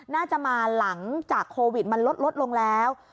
น่าจะมาหลังจากโควิดมันลดลงแล้ว